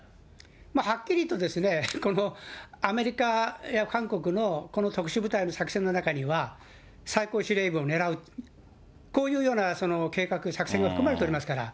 はっきりと、アメリカや韓国の、この特殊部隊の作戦の中には、最高司令部を狙う、こういうような計画、作戦が含まれておりますから。